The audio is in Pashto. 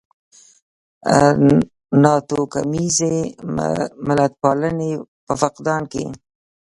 ناتوکمیزې ملتپالنې په فقدان کې.